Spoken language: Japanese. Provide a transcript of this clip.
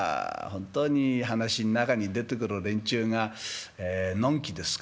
本当に噺ん中に出てくる連中がのんきですからね